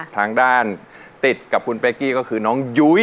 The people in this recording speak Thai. ทางด้านติดกับคุณเป๊กกี้ก็คือน้องยุ้ย